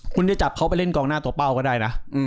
คุณจะจับเขาไปเล่นกองหน้าตัวเป้าก็ได้นะ